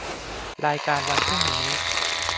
รายการวันพรุ่งนี้